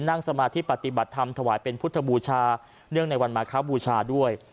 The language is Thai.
สมาธิปฏิบัติธรรมถวายเป็นพุทธบูชาเนื่องในวันมาคบูชาด้วย